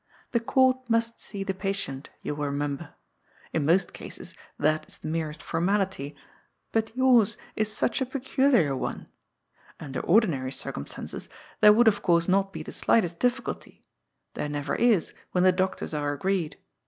The Court must see the patient, you will remember. In most cases that is the merest formality, but yours is such a peculiar one. Under ordinary circumstances there would of course not be the slightest difficulty. There never is when the doctors are agreed.